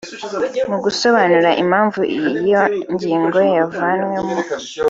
Mu gusobanura impamvu iyo ngingo yavanwemo